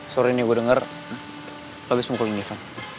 suara ini gue denger lo habis mukul nisa